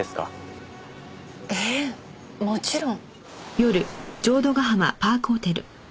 ええもちろん。